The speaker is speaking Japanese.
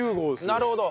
なるほど。